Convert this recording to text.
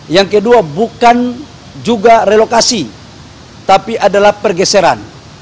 yang kedua bukan juga relokasi tapi adalah pergeseran